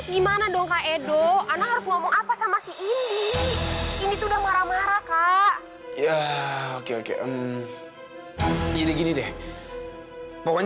gimana dong kak edo anak harus ngomong apa sama si ini ini sudah marah marah kak ya oke